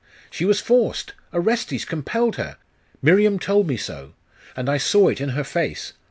'She was forced! Orestes compelled her! Miriam told me so. And I saw it in her face.